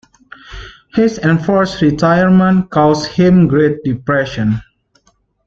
His enforced retirement caused him great depression.